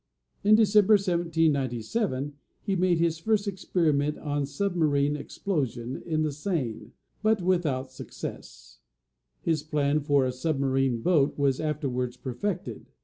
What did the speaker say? In Dec. 1797, he made his first experiment on sub marine explosion in the Seine, but without success. His plan for a sub marine boat was afterwards perfected.